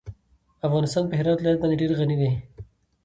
افغانستان په هرات ولایت باندې ډېر غني دی.